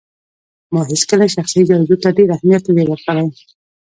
ما هيڅکله شخصي جايزو ته ډېر اهمیت نه دی ورکړی